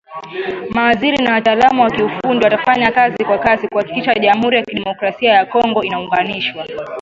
Mawaziri na wataalamu wa kiufundi watafanya kazi kwa kasi kuhakikisha Jamhuri ya kidemokrasia ya Kongo inaunganishwa.